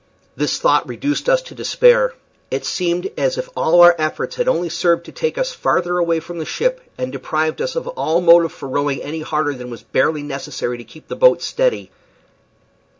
This thought reduced us to despair. It seemed as if all our efforts had only served to take us farther away from the ship, and deprived us of all motive for rowing any harder than was barely necessary to keep the boat steady.